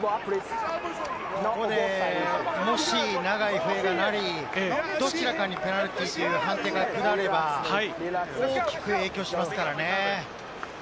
ここでもし長い笛が鳴り、どちらかにペナルティーという判定が取られれば、大きく影響しますからね。